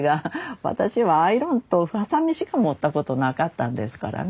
私はアイロンとハサミしか持ったことなかったんですからね。